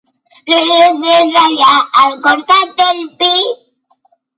La llet és allà, al costat del vi.